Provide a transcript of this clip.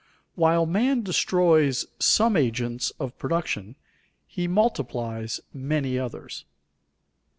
_While man destroys some agents of production he multiplies many others.